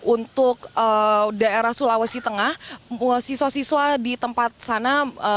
untuk daerah sulawesi tengah siswa siswa di tempat sana